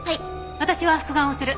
私は復顔をする。